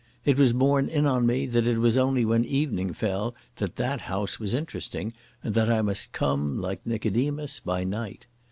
It was borne in on me that it was only when evening fell that that house was interesting and that I must come, like Nicodemus, by night.